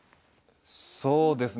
そうですね。